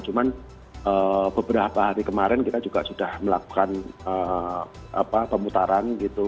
cuman beberapa hari kemarin kita juga sudah melakukan pemutaran gitu